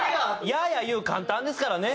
やいやい言うの簡単ですからね。